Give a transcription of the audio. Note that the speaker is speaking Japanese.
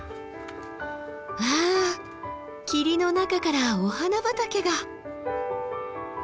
うわ霧の中からお花畑が。